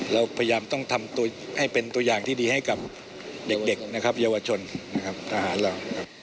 เราพยายามต้องทำให้เป็นตัวอย่างที่ดีให้กับเด็กนะครับเยาวชนนะครับทหารเราครับ